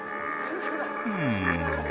うん。